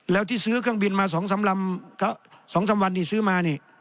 แล้วที่ซื้อเครื่องบินมา๒๓วันซื้อมา